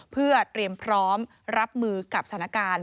เพื่อเตรียมพร้อมรับมือกับสถานการณ์